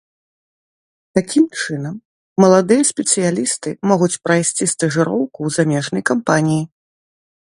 Такім чынам, маладыя спецыялісты могуць прайсці стажыроўку ў замежнай кампаніі.